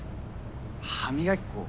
歯磨き粉を。